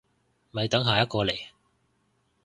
咪等下一個嚟